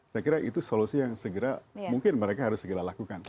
saya kira itu solusi yang segera mungkin mereka harus segera lakukan